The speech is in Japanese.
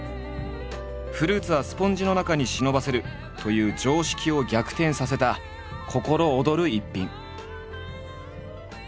フルーツはスポンジの中に忍ばせるという常識を逆転させた心躍る逸品。